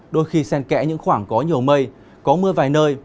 đôi khi sen kẽ những khoảng có nhiều mây có mưa vài nơi